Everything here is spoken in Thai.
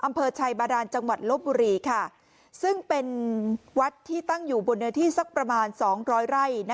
อำเภอชัยบาดานจังหวัดลบบุรีค่ะซึ่งเป็นวัดที่ตั้งอยู่บนเนื้อที่สักประมาณสองร้อยไร่